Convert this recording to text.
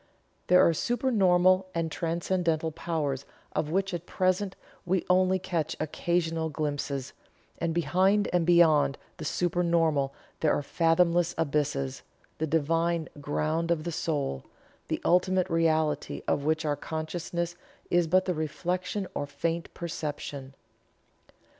There are supernormal and transcendental powers of which, at present, we only catch occasional glimpses; and behind and beyond the supernormal there are fathomless abysses, the Divine ground of the soul; the ultimate reality of which our consciousness is but the reflection or faint perception.